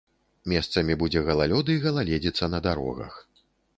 Месцамі будзе галалёд і галаледзіца на дарогах.